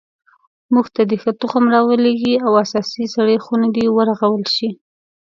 موږ ته دې ښه تخم را ولیږي او اساسي سړې خونې دې ورغول شي